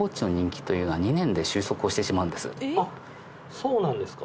そうなんですか。